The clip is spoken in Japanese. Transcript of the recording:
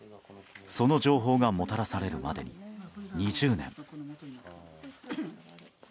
その情報がもたらされるまでに２０年。